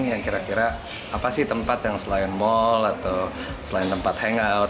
yang kira kira apa sih tempat yang selain mall atau selain tempat hangout